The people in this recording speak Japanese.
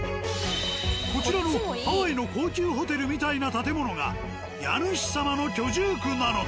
こちらのハワイの高級ホテルみたいな建物が家主様の居住区なのだ。